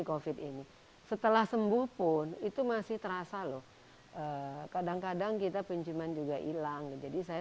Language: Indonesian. covid ini setelah sembuh pun itu masih terasa loh kadang kadang kita penciuman juga hilang jadi saya